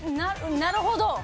なるほど。